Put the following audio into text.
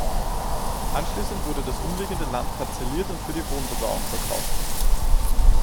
Anschließend wurde das umliegende Land parzelliert und für die Wohnbebauung verkauft.